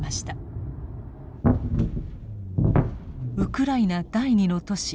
ウクライナ第二の都市